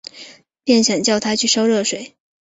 便想叫她去烧热水